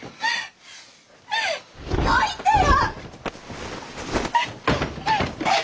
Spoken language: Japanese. どいてよ！